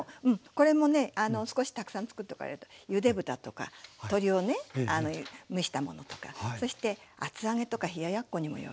これもね少したくさん作っておかれるとゆで豚とか鶏をね蒸したものとかそして厚揚げとか冷やっこにもよろしいんですよね。